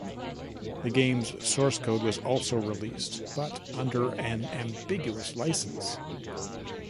The game's source code was also released, but under an ambiguous license.